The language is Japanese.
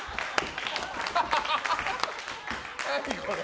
何これ？